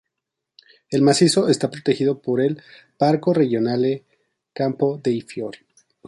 El macizo está protegido por el "Parco Regionale Campo dei Fiori".